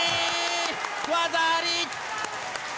技あり！